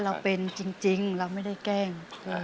เราเป็นจริงเราไม่ได้แกล้ง